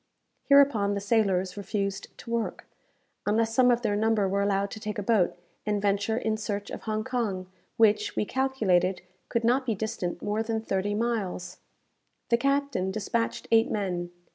Hereupon the sailors refused to work, unless some of their number were allowed to take a boat, and venture in search of Hong Kong, which, we calculated, could not be distant more than thirty miles. The captain despatched eight men.